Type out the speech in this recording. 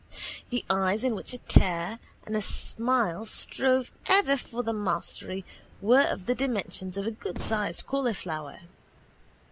The eyes in which a tear and a smile strove ever for the mastery were of the dimensions of a goodsized cauliflower.